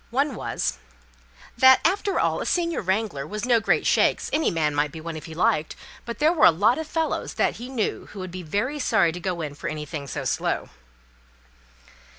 One was "That, after all, a senior wrangler was no great shakes. Any man might be one if he liked, but there were a lot of fellows that he knew who would be very sorry to go in for anything so slow."